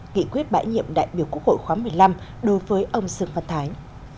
nghị quyết bãi nhiệm đại biểu quốc hội khóa một mươi năm đối với ông dương văn thái